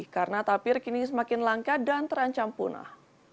karena tapir kini semakin langka dan terancam punah